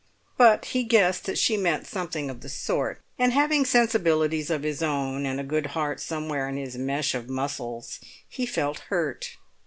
But he guessed that she meant something of the sort, and having sensibilities of his own, and a good heart somewhere in his mesh of muscles, he felt hurt.